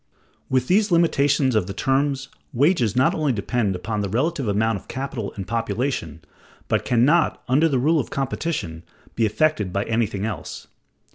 With these limitations of the terms, wages not only depend upon the relative amount of capital and population, but can not, under the rule of competition, be affected by anything else.